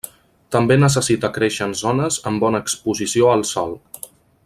També necessita créixer en zones amb bona exposició al sol.